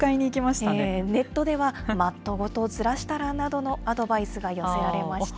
ネットでは、マットごとずらしたらなどのアドバイスが寄せられました。